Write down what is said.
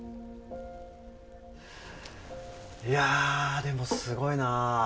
いやー、でもすごいな。